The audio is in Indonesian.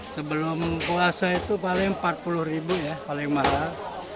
sebelum puasa itu paling rp empat puluh paling marah